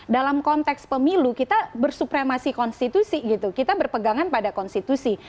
dalam konteks pemilu kita bersupremasi konstitusi gitu kita berpegangan pada konstitusi